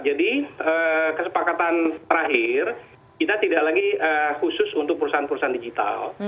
jadi kesepakatan terakhir kita tidak lagi khusus untuk perusahaan perusahaan digital